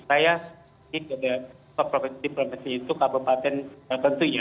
saya provinsi provinsi itu kabupaten tentunya